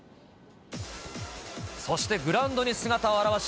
そしてグラウンドに姿を現し